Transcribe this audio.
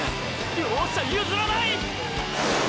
両者ゆずらない！！